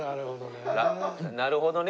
なるほどね。